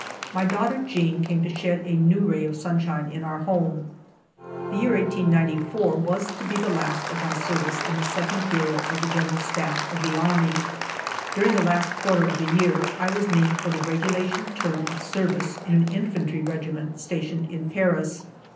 My daughter Jeanne came to shed a new ray of sunshine in our home. The year 1894 was to be the last of my ser vice in the Second Bureau of the General Staff of the army. During the last quarter of the year I was named for the regulation term of ser vice in an infantry regiment stationed in Paris.